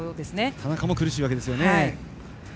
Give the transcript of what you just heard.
田中も苦しいわけですよね。